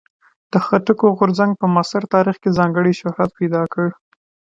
د خټکو غورځنګ په معاصر تاریخ کې ځانګړی شهرت پیدا کړ.